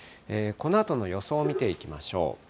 このあとの予想を見ていきましょう。